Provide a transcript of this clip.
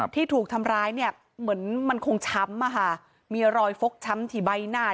ที่ถูกทำร้ายเหมือนมันคงช้ำมีรอยฟกช้ำที่ใบหน้า